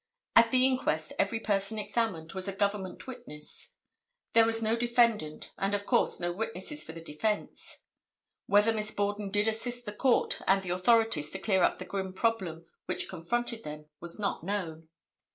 At the inquest every person examined was a government witness; there was no defendant, and of course, no witnesses for the defense. Whether Miss Borden did assist the court and the authorities to clear up the grim problem which confronted them, was not known.